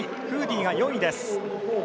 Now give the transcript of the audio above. フーディが４位です。